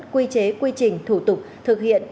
quy chế quy trình thủ tục thực hiện